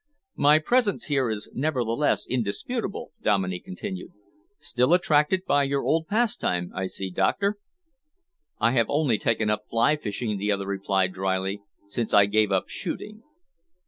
"My presence here is nevertheless indisputable," Dominey continued. "Still attracted by your old pastime, I see, Doctor?" "I have only taken up fly fishing," the other replied drily, "since I gave up shooting."